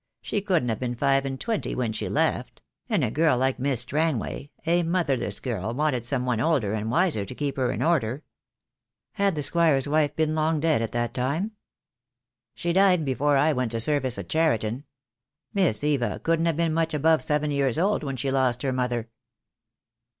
She couldn't have been five and twenty when she left; and a girl like Miss 174 THE DAY WILL C0ME« Strangway, a motherless girl, wanted some one older and wiser to keep her in order." "Had the Squire's wife been long dead at that time?" "She died before I went to service at Cheriton. Miss Eva couldn't have been much above seven years old when she lost her mother."